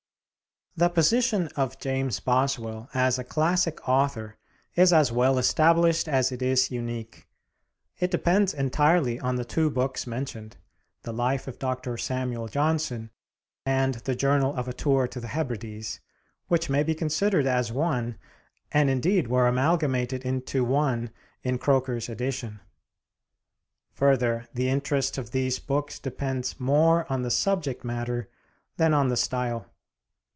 The position of James Boswell as a classic author is as well established as it is unique. It depends entirely on the two books mentioned: 'The Life of Dr. Samuel Johnson' and the 'Journal of a Tour to the Hebrides,' which may be considered as one, and indeed were amalgamated into one in Croker's edition. Further, the interest of these books depends more on the subject matter than on the style.